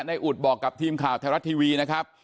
อุดบอกกับทีมข่าวไทยรัฐทีวีนะครับ